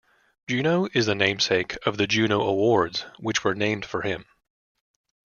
Juneau is the namesake of the Juno Awards, which were named for him.